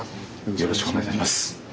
よろしくお願いします。